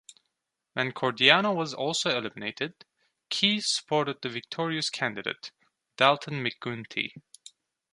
When Cordiano was also eliminated, Keyes supported the victorious candidate, Dalton McGuinty.